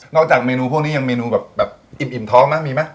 นอกจากเมนูพวกนี้ยังเมนูแบบอิ่มท้องมั้ยมีมั้ย